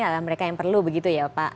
adalah mereka yang perlu begitu ya pak